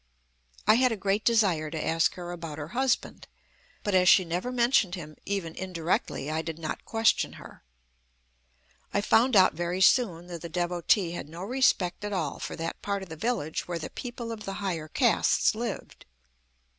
I had a great desire to ask her about her husband. But as she never mentioned him even indirectly, I did not question her. I found out very soon that the Devotee had no respect at all for that part of the village where the people of the higher castes lived.